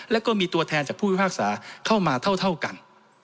แล้วก็มีตัวแทนจากผู้พิพากษาเข้ามาเท่ากัน